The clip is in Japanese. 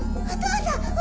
お父さん！